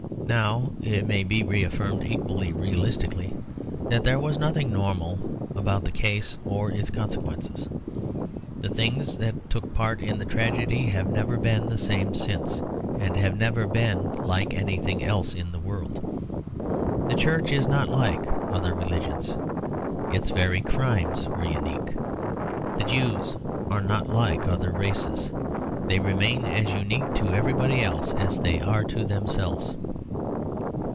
Now it may be reaffirmed equally realistically that there was nothing normal about the case or its consequences. The things that took part in that tragedy have never been the same since, and have never been like anything else in the world. The Church is not like other religions; its very crimes were unique. The Jews are not like other races; they remain as unique to everybody else as they are to themselves.